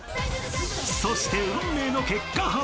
［そして運命の結果発表！］